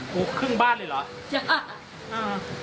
โห้ยครึ่งบ้านเลยหรอจ้ะ